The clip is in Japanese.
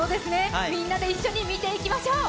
みんなで一緒に見ていきましょう。